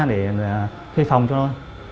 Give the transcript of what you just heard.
để thuê phòng cho nó